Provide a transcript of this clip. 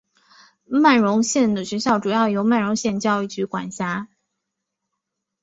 曼绒县的学校主要由曼绒县教育局管辖。